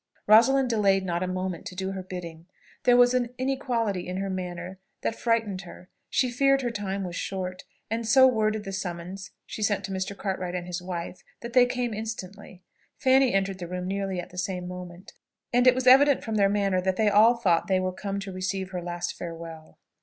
Rosalind delayed not a moment to do her bidding. There was an inequality in her manner that frightened her. She feared her time was short; and so worded the summons she sent to Mr. Cartwright and his wife, that they came instantly. Fanny entered the room nearly at the same moment; and it was evident from their manner that they all thought they were come to receive her last farewell.